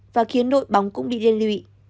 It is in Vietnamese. và khiến đội bóng cũng đi liên lụy